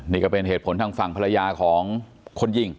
นี่ก็เป็นเหตุผลทางฝั่งภรรยาของคนยิง